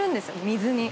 水に。